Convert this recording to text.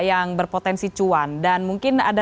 yang berpotensi cuan dan mungkin ada